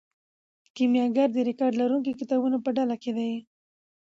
کیمیاګر د ریکارډ لرونکو کتابونو په ډله کې دی.